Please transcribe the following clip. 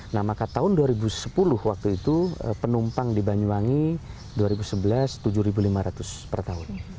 nah maka tahun dua ribu sepuluh waktu itu penumpang di banyuwangi dua ribu sebelas tujuh lima ratus per tahun